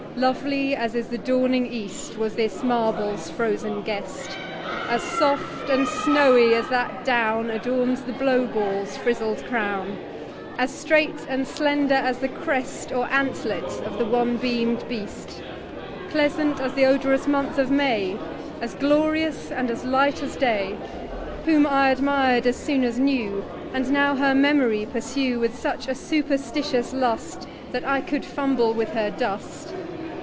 Lovely, as is the dawning East , Was this Marble's frozen Guest; As soft, and Snowy, as that Down Adorns the Blow balls frizled Crown; As straight and slender as the Crest, Or Antlet of the one beam'd Beast; Pleasant as th' odorous Month of May : As glorious, and as light as Day . Whom I admir'd, as soon as knew, And now her Memory pursue With such a superstitious Lust, That I could fumble with her Dust.